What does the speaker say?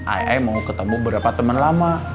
ay ay mau ketemu beberapa temen lama